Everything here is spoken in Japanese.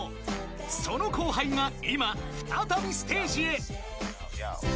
［その後輩が今再びステージへ］